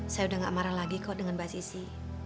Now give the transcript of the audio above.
saya udah gak marah lagi kok dengan mbak sisi